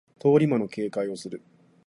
通り魔の警戒をする